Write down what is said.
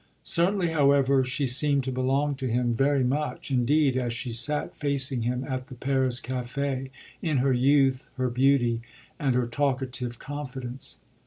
Certainly, however, she seemed to belong to him very much indeed as she sat facing him at the Paris café in her youth, her beauty, and her talkative confidence.